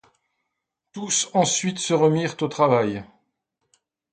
Tous ensuite se remirent au travail.